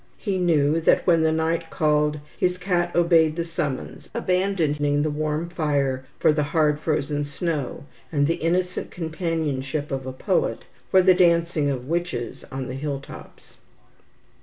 He knew that when the night called, his cat obeyed the summons, abandoning the warm fire for the hard frozen snow, and the innocent companionship of a poet for the dancing of witches on the hill tops.